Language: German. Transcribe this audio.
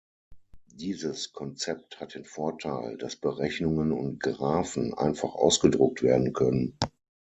Dieses Konzept hat den Vorteil, dass Berechnungen und Graphen einfach ausgedruckt werden können.